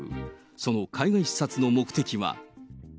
その海外視察の目的は。